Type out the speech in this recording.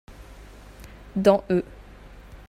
Dans eux.